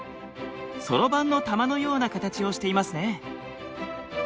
そろばんの玉のような形をしていますね。